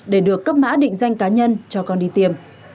để được cấp mã định danh cá nhân cho con đi tiêm